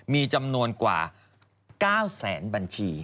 มีจำนวนกว่า๙แสนบัญชี